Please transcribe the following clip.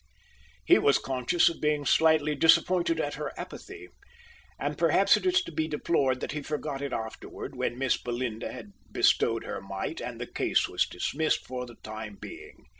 He was conscious of being slightly disappointed at her apathy; and perhaps it is to be deplored that he forgot it afterward, when Miss Belinda had bestowed her mite, and the case was dismissed for the time being.